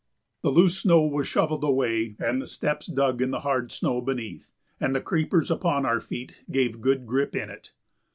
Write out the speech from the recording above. ] The loose snow was shovelled away and the steps dug in the hard snow beneath, and the creepers upon our feet gave good grip in it.